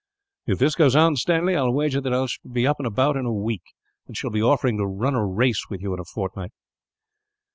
"If this goes on, Stanley, I will wager that I shall be about in a week; and shall be offering to run a race with you, in a fortnight."